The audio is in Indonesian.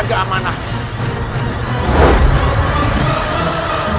kau ingin tahu